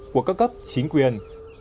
của các cấp chính quyền